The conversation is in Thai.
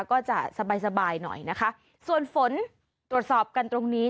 ก็จะสบายสบายหน่อยนะคะส่วนฝนตรวจสอบกันตรงนี้